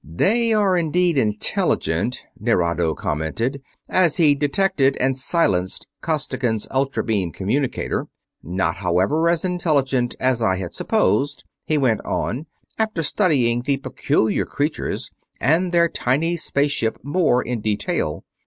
"They are indeed intelligent," Nerado commented, as he detected and silenced Costigan's ultra beam communicator. "Not, however, as intelligent as I had supposed," he went on, after studying the peculiar creatures and their tiny space ship more in detail.